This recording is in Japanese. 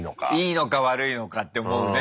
いいのか悪いのかって思うね